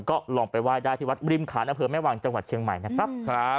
ก็ลองไปไหว้ได้ที่วัดริมขานอำเภอแม่วังจังหวัดเชียงใหม่นะครับ